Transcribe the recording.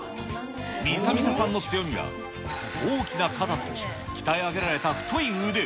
みさみささんの強みは、大きな肩と、鍛え上げられた太い腕。